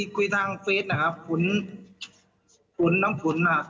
คุยทางเฟสนะครับขุนขุนน้ำขุนมา